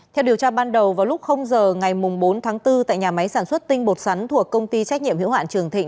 theo điều tra ban đầu vào lúc giờ ngày bốn tháng bốn tại nhà máy sản xuất tinh bột sắn thuộc công ty trách nhiệm hiệu hoạn trường thịnh